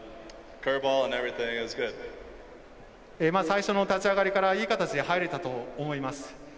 最初の立ち上がりからいい形で入れたと思います。